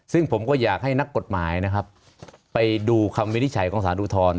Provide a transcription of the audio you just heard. ซึ่งผมก็อยากให้นักกฎหมายนะครับไปดูคำวินิจฉัยของสารอุทธรณ์